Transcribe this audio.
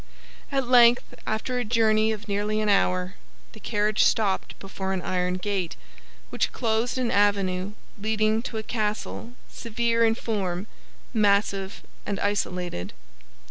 At length after a journey of nearly an hour, the carriage stopped before an iron gate, which closed an avenue leading to a castle severe in form, massive, and isolated.